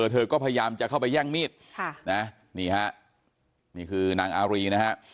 เธอก็พยายามจะเข้าไปแย่งมีดนี่ฮะนี่คือนางอารีนะฮะ